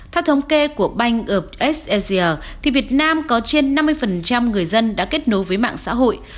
theo thống kê của bank of asia thì việt nam có trên năm mươi người dân đã kết nối với mạng xã hội